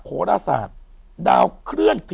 อยู่ที่แม่ศรีวิรัยิลครับ